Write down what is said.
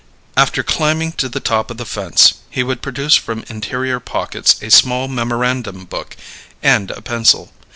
After climbing to the top of the fence he would produce from interior pockets a small memorandum book and a pencil.